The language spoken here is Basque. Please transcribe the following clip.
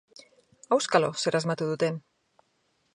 Auskalo zer asmatu duten!